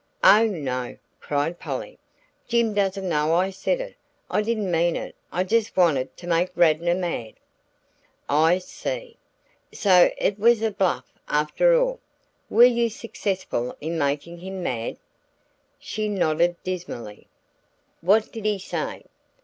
"Oh, no!" cried Polly. "Jim doesn't know I said it I didn't mean it; I just wanted to make Radnor mad." "I see! So it was a bluff after all? Were you successful in making him mad?" She nodded dismally. "What did he say?"